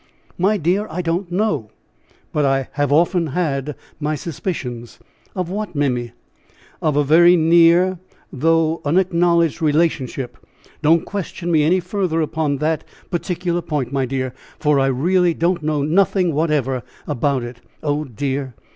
"My dear, I don't know, but I have often had my suspicions." "Of what, Mimmy?" "Of a very near, though unacknowledged relationship; don't question me any further upon that particular point, my dear, for I really know nothing whatever about it. Oh, dear."